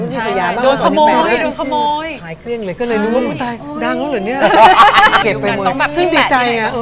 โผมโตนที่สยายมากลงไปตาม